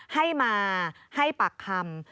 ให้มาให้ปากคำ